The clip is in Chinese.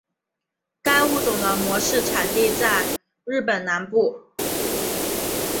该物种的模式产地在日本南部。